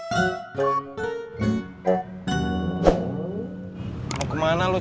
biar badannya kagak bengkak kayak badan lo